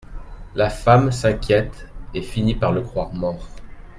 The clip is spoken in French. La femme s'inquiète et finit par le croire mort.